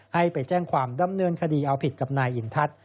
ให้ไปแจ้งความดำเนินคดีเอาผิดกับนายอินทัศน์